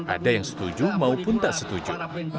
ada yang setuju maupun tak setuju